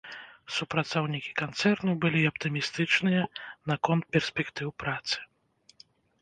Супрацоўнікі канцэрну былі аптымістычныя наконт перспектыў працы.